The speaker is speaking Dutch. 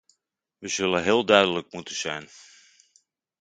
We zullen heel duidelijk moeten zijn.